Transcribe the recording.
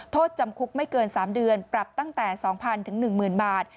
โทษจำคุกไม่เกิน๓เดือนปรับตั้งแต่๒๐๐๑๐๐๐บาท